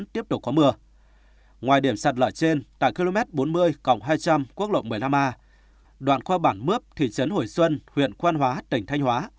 tiếp tục có mưa ngoài điểm sạt lở trên tại km bốn mươi hai trăm linh quốc lộ một mươi năm a đoạn qua bảng mướp thị trấn hồi xuân huyện quan hóa tỉnh thanh hóa